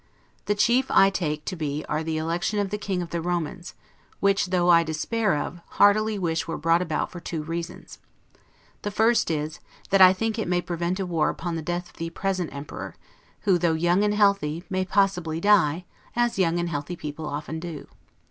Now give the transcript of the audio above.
The chief I take to be the Election of the King of the Romans, which, though I despair of, heartily wish were brought about for two reasons. The first is, that I think it may prevent a war upon the death of the present Emperor, who, though young and healthy, may possibly die, as young and healthy people often do.